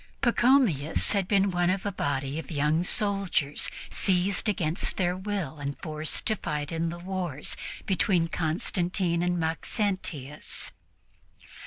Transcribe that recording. Pachomius had been one of a body of young soldiers seized against their will and forced to fight in the wars between Constantine and Maxentius.